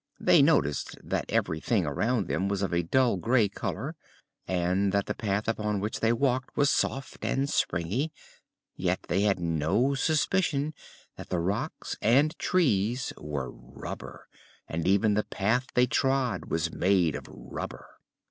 They noticed that everything around them was of a dull gray color and that the path upon which they walked was soft and springy, yet they had no suspicion that the rocks and trees were rubber and even the path they trod was made of rubber.